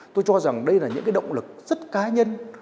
tôi cho rằng đây là những cái động lực rất cá nhân